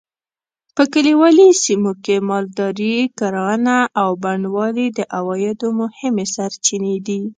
په کلیوالي سیمو کې مالداري؛ کرهڼه او بڼوالي د عوایدو مهمې سرچینې دي.